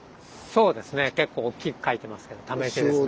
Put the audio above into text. そうですね結構大きく描いてますけど溜池ですね。